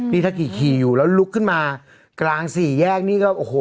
นี่ถ้าขี่อยู่แล้วลุกขึ้นมากลางสี่แยกนี่ก็โอ้โห